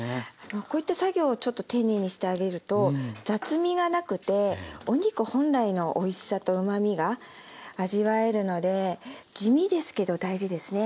こういった作業をちょっと丁寧にしてあげると雑味がなくてお肉本来のおいしさとうまみが味わえるので地味ですけど大事ですね。